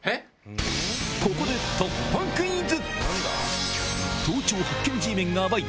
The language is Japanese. ここで突破クイズ！